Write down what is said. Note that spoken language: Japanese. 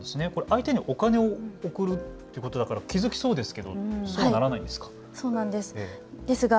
相手に送るということですから気付きそうですがそうはならないんですか。